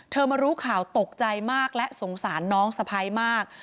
มารู้ข่าวตกใจมากและสงสารน้องสะพ้ายมาก